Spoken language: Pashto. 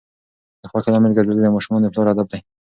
د خوښۍ لامل ګرځیدل د ماشومانو د پلار هدف دی.